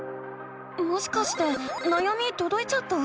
もしかしてなやみとどいちゃった？